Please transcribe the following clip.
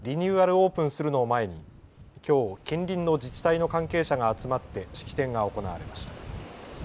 オープンするのを前にきょう近隣の自治体の関係者が集まって式典が行われました。